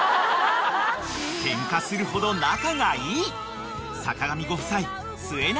［ケンカするほど仲がいい］